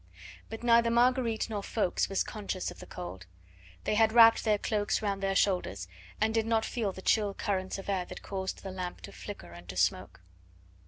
But neither Marguerite nor Ffoulkes was conscious of the cold. They had wrapped their cloaks round their shoulders, and did not feel the chill currents of air that caused the lamp to flicker and to smoke.